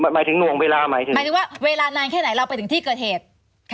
หมายถึงว่าเวลานานแค่ไหนเราไปถึงที่เกิดเหตุ